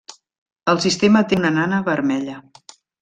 El sistema té una nana vermella.